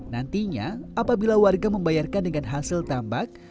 nantinya apabila warga membayarkan dengan hasil tambak